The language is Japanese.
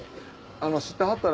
知ってはったら。